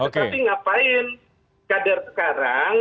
tapi ngapain kader sekarang